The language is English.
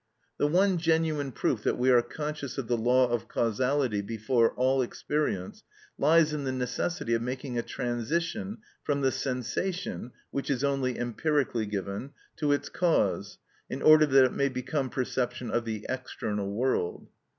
The one genuine proof that we are conscious of the law of causality before all experience lies in the necessity of making a transition from the sensation, which is only empirically given, to its cause, in order that it may become perception of the external world.